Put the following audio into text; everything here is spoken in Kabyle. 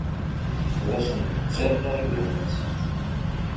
Ur asent-d-ttarraɣ idrimen-nsent.